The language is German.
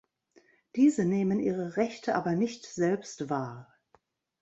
Diese nehmen ihre Rechte aber nicht selbst wahr.